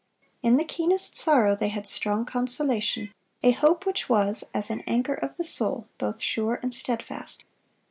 In the keenest sorrow they had "strong consolation," a hope which was as "an anchor of the soul, both sure and steadfast."